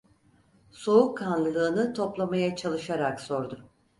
Soğukkanlılığını toplamaya çalışarak sordu: